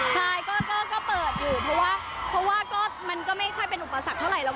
ใช่ก็เปิดอยู่เพราะว่ามันก็ไม่ค่อยเป็นอุปสรรคเท่าไหรหรอก